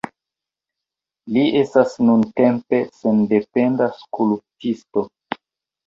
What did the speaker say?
Li estas nuntempe sendependa skulptisto.